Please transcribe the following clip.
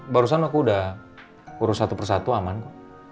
barusan aku udah urus satu persatu aman kok